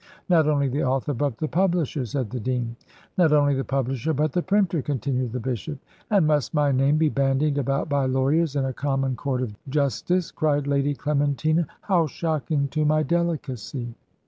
"Not only the author, but the publisher," said the dean. "Not only the publisher, but the printer," continued the bishop. "And must my name be bandied about by lawyers in a common court of justice?" cried Lady Clementina. "How shocking to my delicacy!"